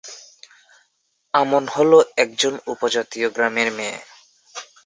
আমন হলো একজন উপজাতীয় গ্রামের মেয়ে।